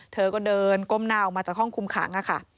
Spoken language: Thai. เธอก็เดินก้มหน้าออกมาจากห้องคุมขังค่ะ